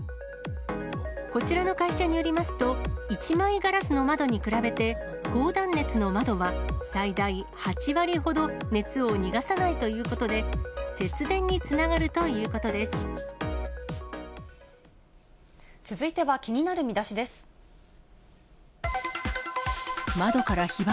こちらの会社によりますと、１枚ガラスの窓に比べて、高断熱の窓は、最大８割ほど熱を逃がさないということで、節電につながるという続いては、窓から火柱。